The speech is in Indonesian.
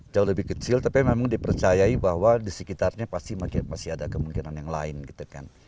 jauh lebih kecil tapi memang dipercayai bahwa di sekitarnya pasti ada kemungkinan yang lain gitu kan